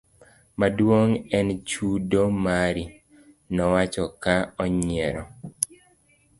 Mduong en chudo mari, nowacho ka onyiero.